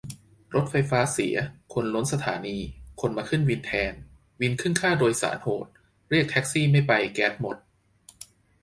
รถไฟฟ้าเสีย คนล้นสถานี คนมาขึ้นวินแทน วินขึ้นค่าโดยสารโหด เรียกแท็กซี่ไม่ไปแก๊สหมด